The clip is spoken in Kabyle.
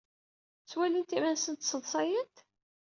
Ttwalint iman-nsent sseḍsayent?